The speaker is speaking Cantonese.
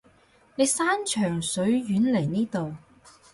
你山長水遠嚟呢度